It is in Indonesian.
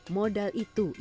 modal itu ia berikan ke bambu